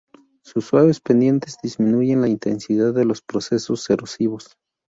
Sus suaves pendientes disminuyen la intensidad de los procesos erosivos.